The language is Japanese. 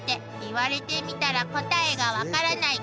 「言われてみたら答えが分からない」